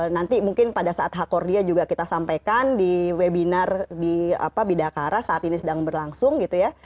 nanti mungkin pada saat hak kurnia juga kita sampaikan di webinar di bidakara saat ini sedang berlangsung gitu ya